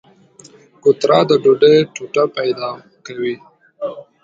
کوتره د ډوډۍ ټوټه پیدا کوي.